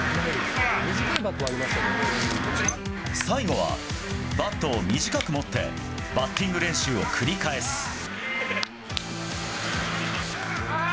最後はバットを短く持ってバッティング練習を繰り返す。